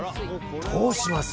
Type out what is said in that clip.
どうします？